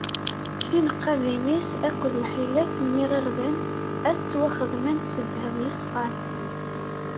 Tineqqadin-is akked lḥilat n iɣiɣden ad ttwaxedment s ddheb yeṣfan.